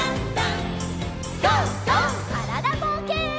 からだぼうけん。